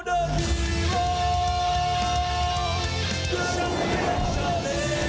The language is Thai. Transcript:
สวัสดีครับ